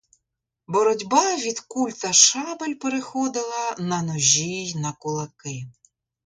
Боротьба від куль та щабель переходила на ножі й на кулаки.